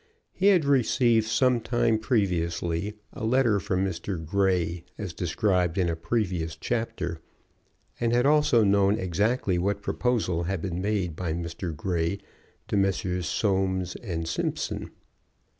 He had received some time previously a letter from Mr. Grey, as described in a previous chapter, and had also known exactly what proposal had been made by Mr. Grey to Messrs. Soames & Simpson.